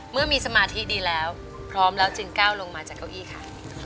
เมื่อมีสมาธิดีแล้วพร้อมแล้วจึงก้าวลงมาจากเก้าอี้ค่ะ